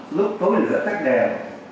lúc tối lửa tắt đèn